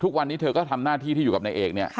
ทุกวันนี้เธอก็ทำหน้าที่ที่อยู่กับนายเอกเนี่ย